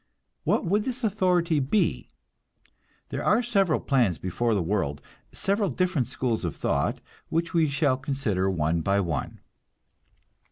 What would this authority be? There are several plans before the world, several different schools of thought, which we shall consider one by one.